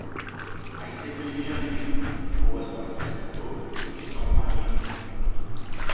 As secas de janeiro, boas para o pescador e ruins para o marinheiro.